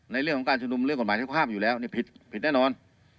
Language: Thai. ในเรื่องของการชุมนุมเรื่องกฎหมายสุขภาพอยู่แล้วผิดผิดแน่นอน